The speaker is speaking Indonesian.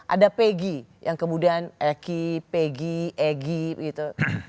ada peggy yang kemudian eki peggy egy begitu